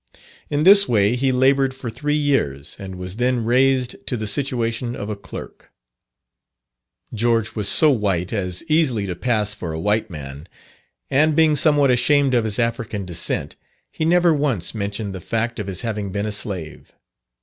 In this way he laboured for three years, and was then raised to the situation of a clerk. George was so white as easily to pass for a white man, and being somewhat ashamed of his African descent, he never once mentioned the fact of his having been a slave.